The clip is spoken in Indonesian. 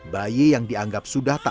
bayi yang dianggap sudah tak